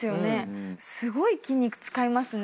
すごい筋肉使いますね。